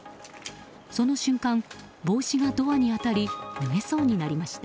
その瞬間、帽子がドアに当たり脱げそうになりました。